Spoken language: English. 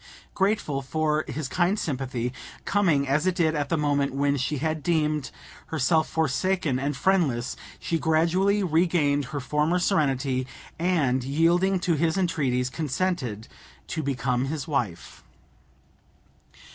Grateful for his kind sympathy, coming as it did at a moment when she had deemed herself forsaken and friendless, she gradually regained her former serenity, and, yielding to his entreaties, consented to become his wife.